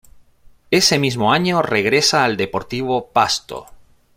Ese mismo año regresa al Deportivo Pasto.